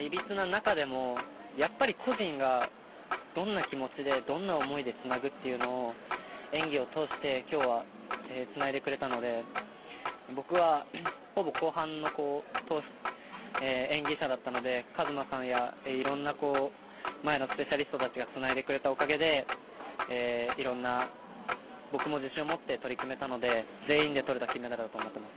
いびつな中でもやっぱり個人が、どんな気持ちでどんな思いでつなぐというのを演技を通して今日はつないでくれたので僕はほぼ後半の演技者だったので和磨さんやいろんな前のスペシャリストがつないでくれたおかげで僕も自信を持って取り組めたので全員でとれた金メダルだと思っています。